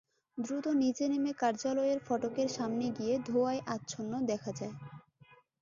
দ্রুত নিচে নেমে কার্যালয়ের ফটকের সামনে গিয়ে ধোঁয়ায় আচ্ছন্ন দেখা যায়।